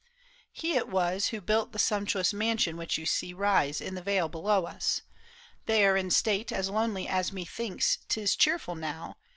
He it was Who built the sumptuous mansion which you see Rise in the vale below us. There in state As lonely as methinks 'tis cheerful now.